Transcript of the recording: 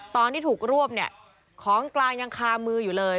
ตอนที่ถูกรวบเนี่ยของกลางยังคามืออยู่เลย